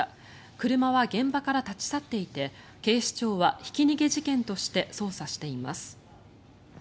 車は現場から立ち去っていて警視庁はひき逃げ事件として捜査しています。